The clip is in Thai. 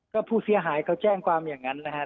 ก็ผู้เสียหายเขาแจ้งความอย่างนั้นนะครับ